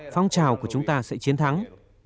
phong trào của chúng ta sẽ chiến thắng